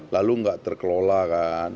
lalu gak terkelola kan